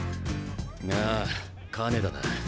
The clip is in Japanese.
ああ金田だ。